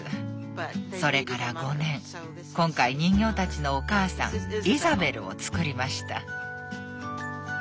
それから５年今回人形たちのお母さんイザベルを作りました。